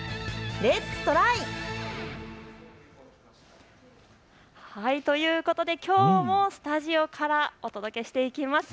レッツトライ！ということできょうもスタジオからお届けしていきます。